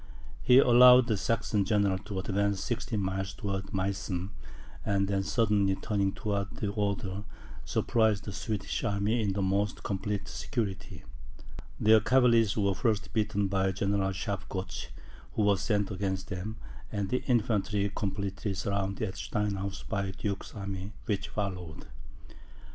He allowed the Saxon general to advance sixteen miles towards Meissen, and then suddenly turning towards the Oder, surprised the Swedish army in the most complete security. Their cavalry were first beaten by General Schafgotsch, who was sent against them, and the infantry completely surrounded at Steinau by the duke's army which followed.